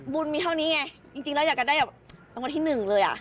บุญมีเท่านี้ไงจริงแล้วอยากจะได้ละวันที่หนึ่งเลย